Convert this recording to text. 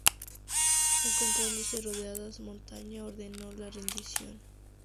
Encontrándose rodeados, Montaña ordenó la rendición.